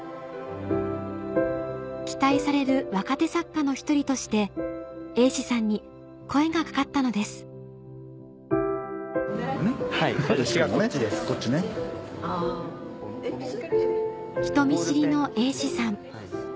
期待される若手作家の１人として瑛士さんに声が掛かったのです人見知りの瑛士さん